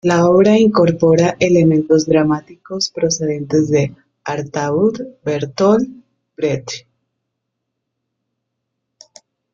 La obra incorpora elementos dramáticos procedentes de Artaud y Bertolt Brecht.